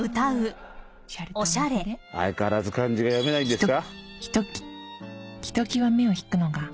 相変わらず漢字が読めないんですか？